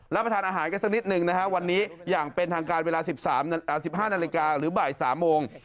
รับประทานอาหารกันสักนิดหนึ่งนะฮะวันนี้อย่างเป็นทางการเวลา๑๕นาฬิกาหรือบ่าย๓โมง